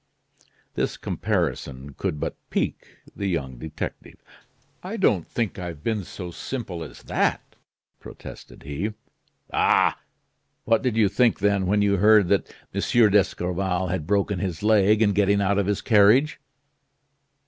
This comparison could but pique the young detective. "I don't think I've been so simple as that," protested he. "Bah! What did you think, then, when you heard that M. d'Escorval had broken his leg in getting out of his carriage?"